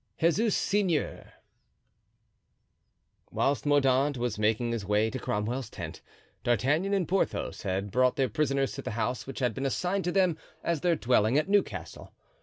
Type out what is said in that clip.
Jesus Seigneur. Whilst Mordaunt was making his way to Cromwell's tent, D'Artagnan and Porthos had brought their prisoners to the house which had been assigned to them as their dwelling at Newcastle.